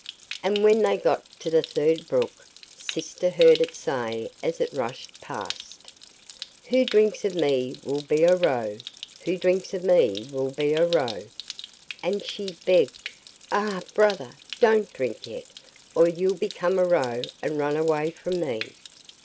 And when they got to the third brook, sister heard it say as it rushed past: 'Who drinks of me will be a roe! who drinks of me will be a roe!' And she begged, 'Ah! brother, don't drink yet, or you'll become a roe and run away from me.